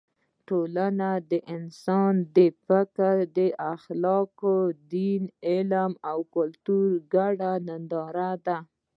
ټولنه د انسان د فکر، اخلاقو، دین، علم او کلتور ګډه ننداره ده.